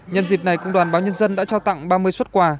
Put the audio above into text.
nhân dịp này công đoàn báo nhân dân đã trao tặng ba mươi xuất quà